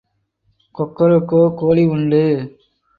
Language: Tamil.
கொக்கரக்கோ கோழி உண்டு.